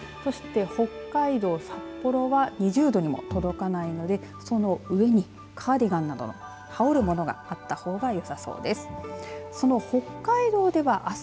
北海道、札幌は２０度にも届かないのでその上にカーディガンなどの羽織るものがあったほうがよさそうです。